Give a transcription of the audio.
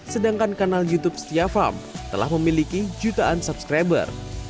sedangkan kanal youtube setia farm telah memiliki jutaan subscriber